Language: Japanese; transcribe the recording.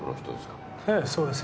ええそうですよ。